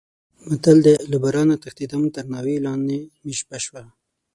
متل دی: له بارانه تښتېدم تر ناوې لانې مې شپه شوه.